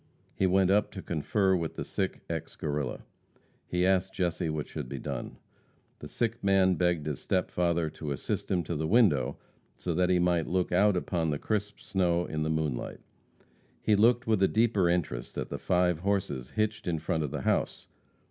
He went up to confer with the sick ex Guerrilla. He asked Jesse what should be done. The sick man begged his step father to assist him to the window so that he might look out upon the crisp snow out in the moonlight. He looked with a deeper interest at the five horses hitched in front of the house.